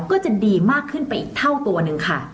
ก็จะดีมากขึ้นไปอีกเท่าตัวหนึ่งค่ะ